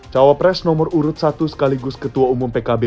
cawapres nomor urut satu sekaligus ketua umum pkb